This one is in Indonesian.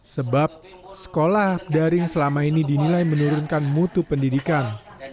sebab sekolah daring selama ini dinilai menurunkan mutu pendidikan